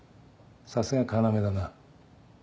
さすが要だな。